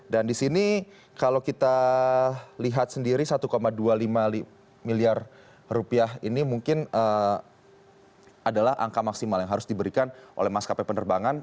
dan di sini kalau kita lihat sendiri satu dua puluh lima miliar rupiah ini mungkin adalah angka maksimal yang harus diberikan oleh maskapai penerbangan